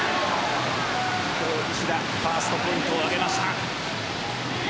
西田、ファーストポイントを挙げました。